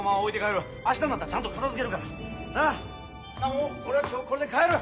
もう俺は今日はこれで帰る！